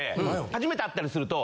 初めて会ったりすると。